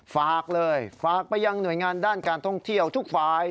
ฝากเลยฝากไปยังหน่วยงานด้านการท่องเที่ยวทุกฝ่าย